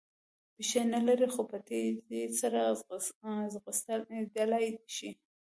پښې نه لري خو په تېزۍ سره ځغلېدلای شي.